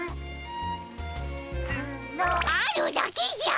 あるだけじゃ！